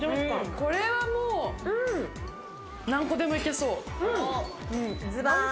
これは何個でもいけそう。